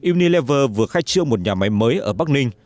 unilever vừa khai trương một nhà máy mới ở bắc ninh